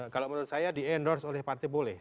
kalau menurut saya di endorse oleh partai boleh